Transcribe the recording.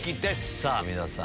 さあ、皆さん。